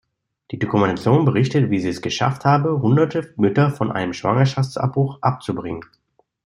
Die Dokumentation berichtet, wie sie es geschafft habe, hunderte Mütter von einem Schwangerschaftsabbruch abzubringen.